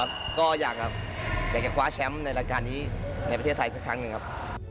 และก็อยากอยากกระคาแชมป์ในประเทศไทยอีกทีครั้งหนึ่งครับ